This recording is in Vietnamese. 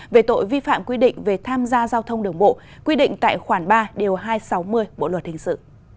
về tội vi phạm quy định về tham gia giao thông đường bộ quy định tại khoản ba điều hai trăm sáu mươi bộ luật hình sự